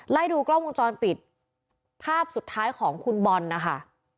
ไล่ดูกล้องวงจรปิดภาพสุดท้ายของคุณบอลนะคะ